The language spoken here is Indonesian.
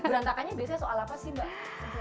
berantakannya biasanya soal apa sih mbak